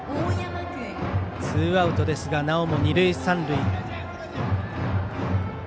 ツーアウトですがなおも二塁三塁。